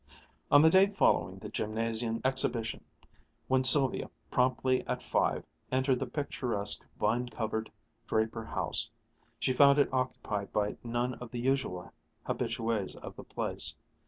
On the day following the Gymnasium exhibition, when Sylvia, promptly at five, entered the picturesque vine covered Draper house, she found it occupied by none of the usual habitués of the place.